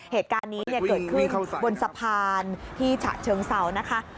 เหตุการณ์นี้เกิดขึ้นบนสะพานที่ฉะเชิงเซานะคะ